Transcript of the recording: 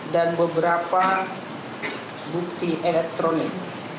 dan beberapa bukti elektronik